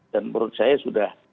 dan menurut saya sudah sudah